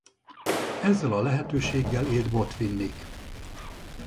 Ezzel a lehetőséggel élt Botvinnik.